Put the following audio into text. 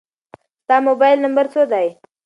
ستا د موبایل نمبر څو دی؟